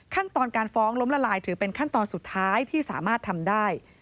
ขั้นตอนการฟ้องล้มละลายถือเป็นขั้นตอนสุดท้ายที่สามารถทำได้